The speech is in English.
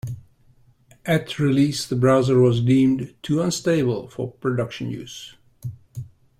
At release, the browser was deemed too unstable for production use.